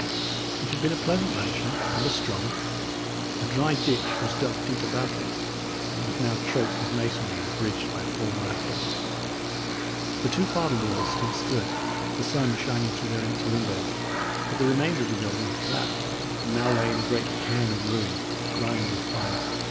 It had been a pleasant mansion and a strong. A dry ditch was dug deep about it; but it was now choked with masonry, and bridged by a fallen rafter. The two farther walls still stood, the sun shining through their empty windows; but the remainder of the building had collapsed, and now lay in a great cairn of ruin, grimed with fire.